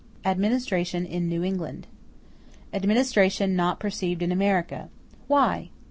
Administration In New England Administration not perceived in America—Why?